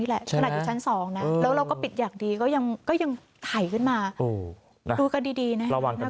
แล้วเราก็ปิดอย่างดีก็ยังไถขึ้นมาดูกันดีนะน่ากลัวจริง